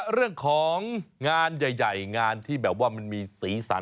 เรื่องของงานใหญ่งานที่แบบว่ามันมีสีสัน